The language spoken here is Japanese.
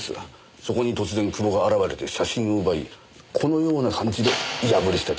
そこに突然久保が現れて写真を奪いこのような感じで破り捨てた。